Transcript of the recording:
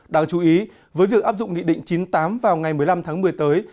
đáng chú ý với việc áp dụng nghị định chín mươi tám vào ngày một mươi năm tháng một mươi tới